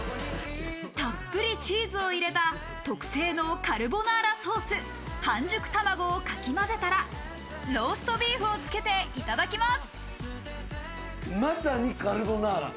たっぷりチーズを入れた特製のカルボナーラソース、半熟卵をかきまぜたら、ローストビーフをつけていただきます。